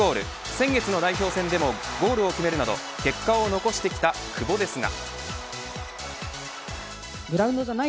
先月の代表戦でもゴールを決めるなど結果を残してきた久保ですが。